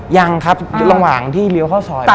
ยังครับระหว่างที่เลี้ยวเข้าซอย